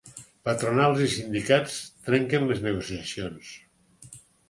Patronals i sindicats trenquen les negociacions